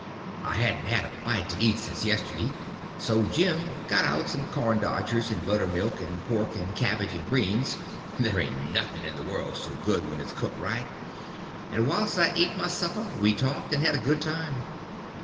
I hadn't had a bite to eat since yesterday, so Jim he got out some corn dodgers and buttermilk, and pork and cabbage and greens—there ain't nothing in the world so good when it's cooked right—and whilst I eat my supper we talked and had a good time.